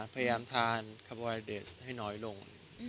พยายามทานคาร์บอยเดสให้น้อยลง